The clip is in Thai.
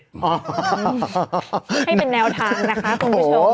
ให้เป็นแนวทางนะคะคุณผู้ชม